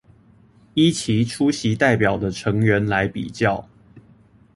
依其出席代表的成員來比較